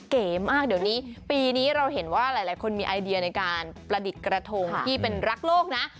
เก๋มากเดี๋ยวนี้ปีนี้เราเห็นว่าหลายคนมีไอเดียในการประดิษฐ์กระทงที่เป็นรักโลกนะ